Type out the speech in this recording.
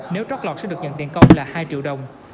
nếu trót lọt sẽ được nhận tiền công là hai triệu đồng